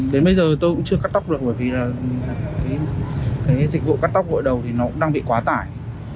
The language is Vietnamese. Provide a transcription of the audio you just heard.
đến bây giờ tôi cũng chưa cắt tóc được bởi vì dịch vụ cắt tóc vội đầu cũng đang bị quá tải